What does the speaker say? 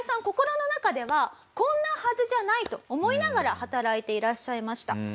心の中ではこんなはずじゃないと思いながら働いていらっしゃいました。